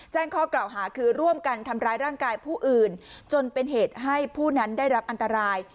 แจ้งข้อกล่าวหาคือร่วมกันทำร้ายร่างกายผู้อื่นจนเป็นเหตุให้ผู้นั้นได้รับอันตราย